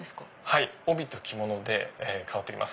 はい帯と着物で変わってきます。